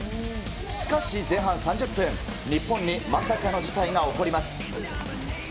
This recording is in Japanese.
しかし前半３０分、日本にまさかの事態が起こります。